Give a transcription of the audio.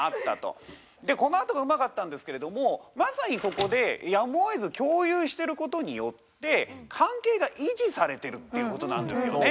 このあとがうまかったんですけれどもまさにそこでやむを得ず共有してる事によって関係が維持されてるっていう事なんですよね。